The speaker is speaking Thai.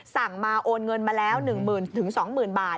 สั่งมาโอนเงินมาแล้ว๑๐๐๐๒๐๐๐บาท